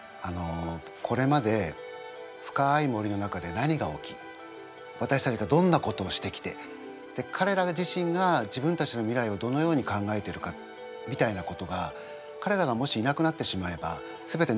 これまで深い森の中で何が起きわたしたちがどんなことをしてきてかれら自身が自分たちの未来をどのように考えてるかみたいなことがかれらがもしいなくなってしまえばすべてなかったことになるんですよ。